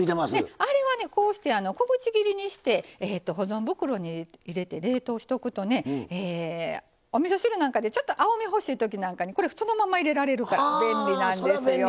あれはこうして小口切りにして保存袋に入れて冷凍しとくとねおみそ汁なんかでちょっと青み欲しいときなんかにこれそのまま入れられるから便利なんですよ。